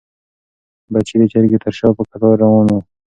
بچي د چرګې تر شا په کتار روان وو.